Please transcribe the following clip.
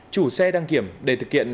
chủ xe đăng kiểm để thực hiện